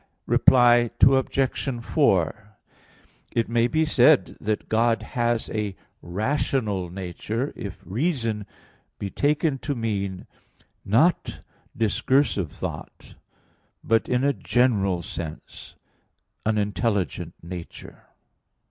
Reply Obj. 4: It may be said that God has a rational nature, if reason be taken to mean, not discursive thought, but in a general sense, an intelligent nature.